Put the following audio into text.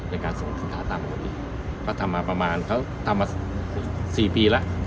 ในการส่งสินค้าตามปกติเขาทำมาประมาณเขาทำมาสี่ปีแล้ว